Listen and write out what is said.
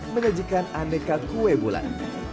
menyajikan aneka kue bulan